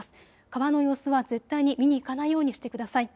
川の様子は絶対に見に行かないようにしてください。